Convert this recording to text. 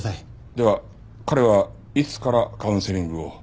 では彼はいつからカウンセリングを？